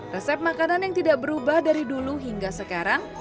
resep makanan yang tidak berubah dari dulu hingga sekarang